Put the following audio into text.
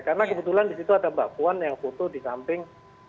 karena kebetulan disitu ada mbak puan yang foto disamping